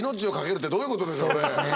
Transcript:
どういうことでしょうね？